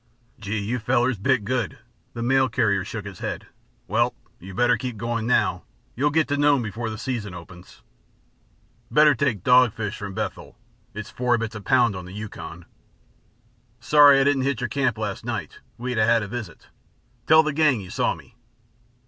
"Gee! You fellers bit good." The mail carrier shook his head. "Well! You'd better keep going now; you'll get to Nome before the season opens. Better take dogfish from Bethel it's four bits a pound on the Yukon. Sorry I didn't hit your camp last night; we'd 'a' had a visit. Tell the gang that you saw me."